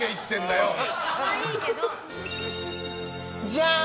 じゃーん！